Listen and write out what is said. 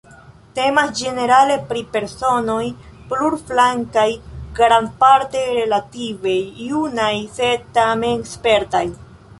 Temas ĝenerale pri personoj plurflankaj, grandparte relative junaj sed tamen spertaj.